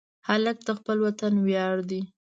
هلک د خپل وطن ویاړ دی.